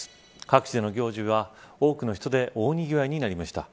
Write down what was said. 各地での行事は多くの人でにぎわっていました。